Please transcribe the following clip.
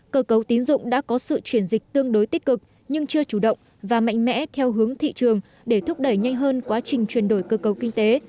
cơ cấu tín dụng đã có sự chuyển dịch tương đối tích cực nhưng chưa chủ động và mạnh mẽ theo hướng thị trường để thúc đẩy nhanh hơn quá trình chuyển đổi cơ cầu kinh tế